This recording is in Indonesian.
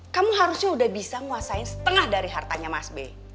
kamu harusnya udah bisa nguasain setengah dari hartanya mas b